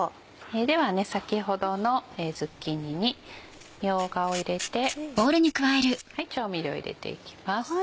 では先ほどのズッキーニにみょうがを入れて調味料入れていきます。